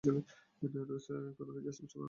রোজ, কোনকিছু স্পর্শ করোনা।